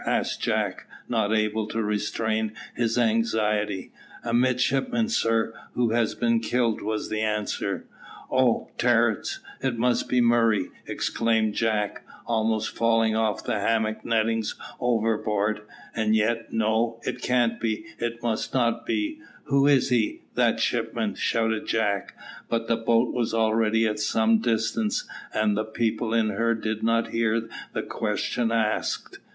asked Jack, not able to restrain his anxiety. "A midshipman, sir, who has been killed," was the answer. "Oh, Terence, it must be Murray!" exclaimed Jack, almost falling off the hammock nettings overboard. "And yet, no, it can't be; it must not be. Who is he, that midshipman?" shouted Jack; but the boat was already at some distance, and the people in her did not hear the question asked.